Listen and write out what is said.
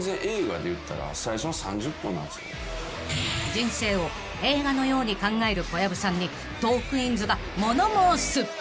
［人生を映画のように考える小籔さんにトークィーンズが物申す］